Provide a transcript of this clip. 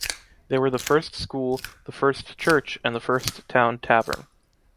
There were the first school, the first church and the first town tavern.